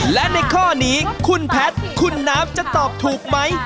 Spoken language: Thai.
และในข้อนี้คุณแพทย์คุณน้ำจะตอบถูกไหม